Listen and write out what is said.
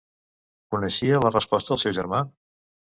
Coneixia la resposta el seu germà?